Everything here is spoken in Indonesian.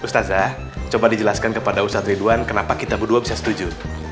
ustaz coba dijelaskan kepada ustadz ridwan kenapa kita berdua bisa setuju